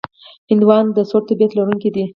هندوانه د سوړ طبیعت لرونکې ده.